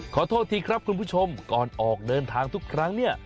ขอโทษทีครับคุณผู้ชมก่อนออกเดินทางทุกครั้งเนี่ย